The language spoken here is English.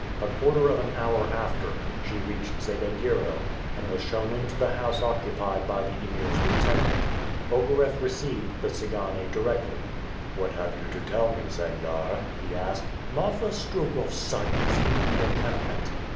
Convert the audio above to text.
A quarter of an hour after, she reached Zabediero, and was shown into the house occupied by the Emir's lieutenant. Ogareff received the Tsigane directly. "What have you to tell me, Sangarre?" he asked. "Marfa Strogoff's son is in the encampment."